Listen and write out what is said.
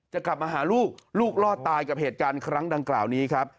จะกลับมาหาลูกลูกรอดตายกับเหตุการณ์ครั้งดังกล่าวนี้ครับ